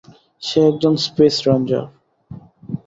সে একজন space ranger.